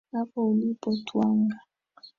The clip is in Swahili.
Hapo ulipo twang'aa.